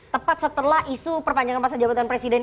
tepat setelah isu perpanjangan masa jabatan presiden